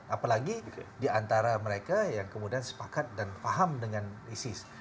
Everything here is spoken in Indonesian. apalagi diantara mereka yang kemudian sepakat dan paham dengan isis